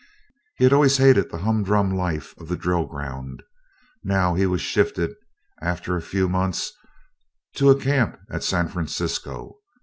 He had always hated the humdrum life of the drill ground. Now he was shifted, after a few months, to a camp at San Francisco.